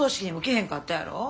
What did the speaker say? へんかったやろ。